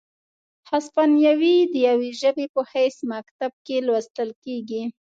هسپانیوي د یوې ژبې په حیث مکتب کې لوستل کیږي،